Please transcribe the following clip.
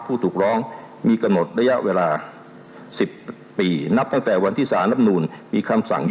ประเด็นที่๔